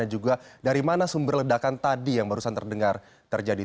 dan juga dari mana sumber ledakan tadi yang barusan terdengar terjadi